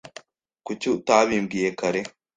Kuki utabimbwiye kare?